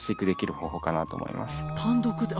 単独で。